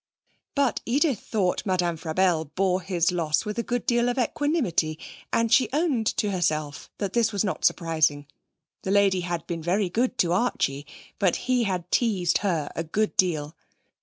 But Edith thought Madame Frabelle bore his loss with a good deal of equanimity, and she owned to herself that it was not surprising. The lady had been very good to Archie, but he had teased her a good deal.